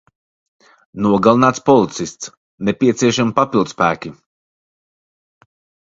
Nogalināts policists. Nepieciešami papildspēki.